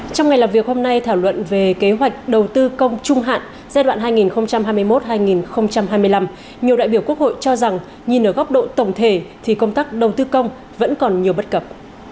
trong ngày làm việc hôm nay thảo luận về kế hoạch đầu tư công trung hạn giai đoạn hai nghìn hai mươi một hai nghìn hai mươi năm nhiều đại biểu quốc hội cho rằng nhìn ở góc độ tổng thể thì công tác đầu tư công vẫn còn nhiều bất cập